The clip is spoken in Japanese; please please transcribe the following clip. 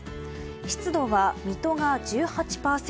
湿度は水戸が１８％